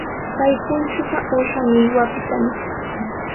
Kay punchuqa uusha millwapitami.